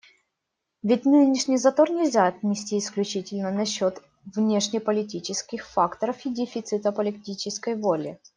Ведь нынешний затор нельзя отнести исключительно на счет внешнеполитических факторов и дефицита политической воли.